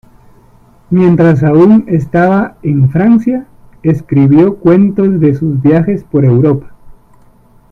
Mientras aún estaba en Francia, escribió cuentos de sus viajes por Europa.